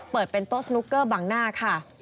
เปิดเป็นโต๊ะสนุกเกอร์บังหน้าค่ะ